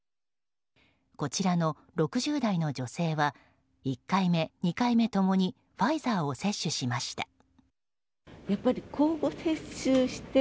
こちらの６０代の女性は１回目、２回目共にファイザーを接種しました。